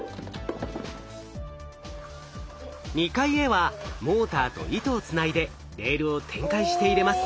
２階へはモーターと糸をつないでレールを展開して入れます。